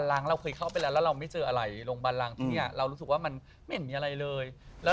แล้วเขาก็หมดฟอร์มไปเลย